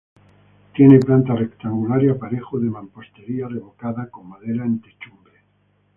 Tiene planta rectangular y aparejo de mampostería revocada, con madera en techumbre.